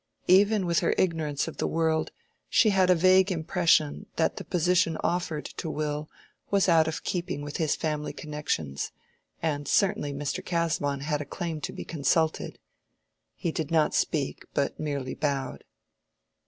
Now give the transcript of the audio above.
Even with her ignorance of the world she had a vague impression that the position offered to Will was out of keeping with his family connections, and certainly Mr. Casaubon had a claim to be consulted. He did not speak, but merely bowed.